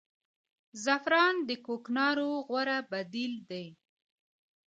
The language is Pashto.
زعفران د کوکنارو غوره بدیل دی